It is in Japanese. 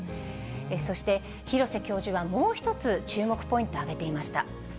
そして、廣瀬教授はもう一つ、注目ポイント挙げていました。